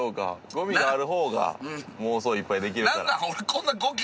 ごみがある方が妄想いっぱいできるから。